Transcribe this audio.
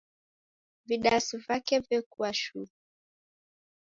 Vidasi vake vekua shuu.